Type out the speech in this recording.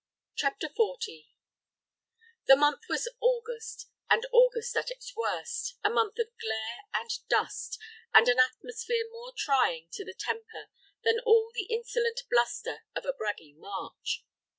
CHAPTER XL The month was August, and August at its worst, a month of glare and dust, and an atmosphere more trying to the temper than all the insolent bluster of a bragging March.